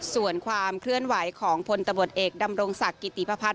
ส่วนความเคลื่อนไหวของพลตำรวจเอกดำรงศักดิ์กิติพัฒ